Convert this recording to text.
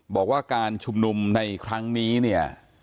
บอกว่าการชุมนุมในครั้งนี้เนี่ย